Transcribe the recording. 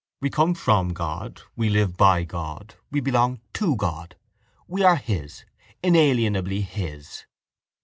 We come from God, we live by God, we belong to God: we are His, inalienably His.